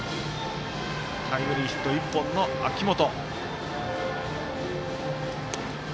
タイムリーヒット１本の秋元。